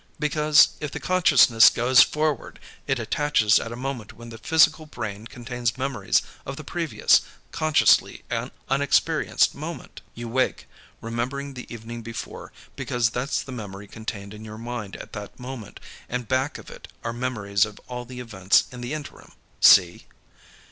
Because if the consciousness goes forward, it attaches at a moment when the physical brain contains memories of the previous, consciously unexperienced, moment. You wake, remembering the evening before, because that's the memory contained in your mind at that moment, and back of it are memories of all the events in the interim. See?"